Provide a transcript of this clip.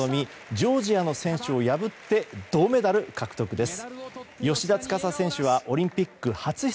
ジョージアの選手を破って銅メダル獲得です。